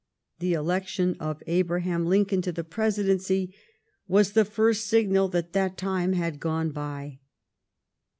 The election of Abraham Lincoln to the Presidency was the first signal that that time had gone by.